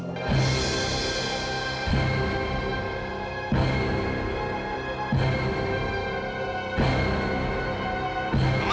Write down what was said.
ini adalah pasangan